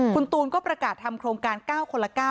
คุณตูนก็ประกาศทำโครงการ๙คนละ๙